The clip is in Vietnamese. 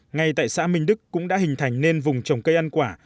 ngay tại xã minh đức cũng đã hình thành nên vùng trồng cây ăn quả